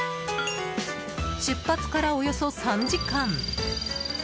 出発から、およそ３時間。